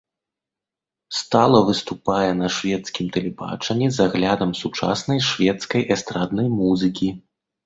Стала выступае на шведскім тэлебачанні з аглядам сучаснай шведскай эстраднай музыкі.